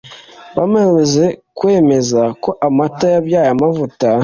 bamaze kwemeza ko amata yabyaye amavuta